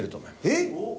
えっ？